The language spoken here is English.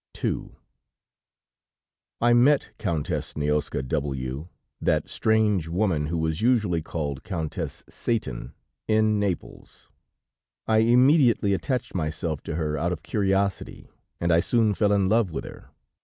II "I met Countess Nioska W , that strange woman who was usually called Countess Satan, in Naples; I immediately attached myself to her out of curiosity, and I soon fell in love with her.